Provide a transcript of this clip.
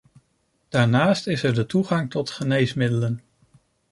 Daarnaast is er de toegang tot de geneesmiddelen.